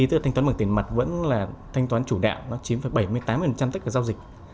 thành toán bằng tiền mặt vẫn là thanh toán chủ đạo nó chiếm vào bảy mươi tám tất cả giao dịch